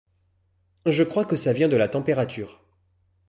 Je crois que ça vient de la température.